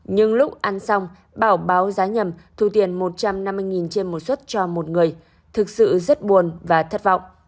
nhưng lúc ăn xong bảo báo giá nhầm thu tiền một trăm năm mươi trên một xuất cho một người thực sự rất buồn và thất vọng